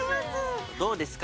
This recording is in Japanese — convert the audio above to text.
どうですか？